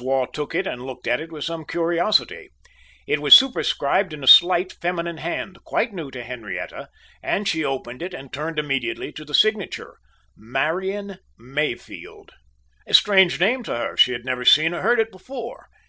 Waugh took it and looked at it with some curiosity it was superscribed in a slight feminine hand quite new to Henrietta; and she opened it, and turned immediately to the signature Marian Mayfield a strange name to her; she had never seen or heard it before.